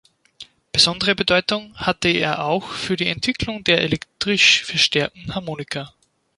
Besondere Bedeutung hatte er auch für die Entwicklung der elektrisch verstärkten Harmonika.